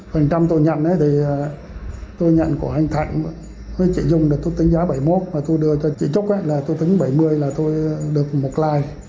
phần trăm tôi nhận thì tôi nhận của anh thạnh với chị dung được tôi tính giá bảy mươi một và tôi đưa cho chị trúc ấy là tôi tính bảy mươi là tôi được một like